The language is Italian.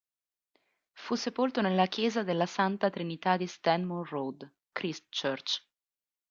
Fu sepolto nella Chiesa della Santa Trinità di Stanmore Road, Christchurch.